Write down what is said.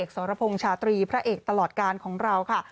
สรพงศ์ชาตรีพระเอกตลอดการของเราค่ะ